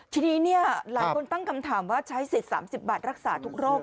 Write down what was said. ทีนี้หลายคนตั้งคำถามว่าใช้สิทธิ์๓๐บาทรักษาทุกโรค